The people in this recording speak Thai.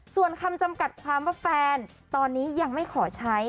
ส่วนคำจำกัดความว่าแฟนตอนนี้ยังไม่ขอใช้